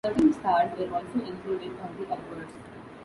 Thirteen stars were also included on the obverse.